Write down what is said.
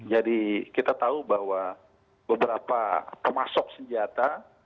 jadi kita tahu bahwa beberapa pemasok senjata